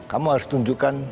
kamu harus tunjukkan